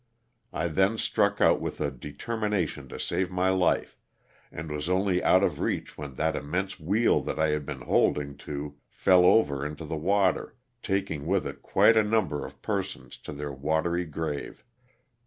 I then struck out with a determination to save my life, and was only out of reach when that immense wheel that I had been holding to fell over into the water, taking with it quite a number of persons to their watery grave.